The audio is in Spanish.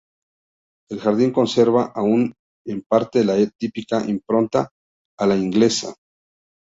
El jardín conserva aún en parte la típica impronta "a la inglesa".